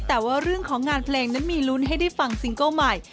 แต่ว่าเรื่องของงานเพลงนั้นมีลุ้นให้ได้ฟังซิงเกิ้ลใหม่